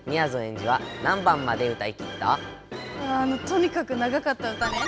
あああのとにかく長かった歌ね。